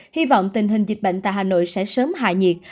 hy vọng tình hình dịch bệnh tại hà nội sẽ sớm hạ nhiệt